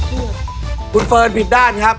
คุณเฟิร์นผิดด้านครับ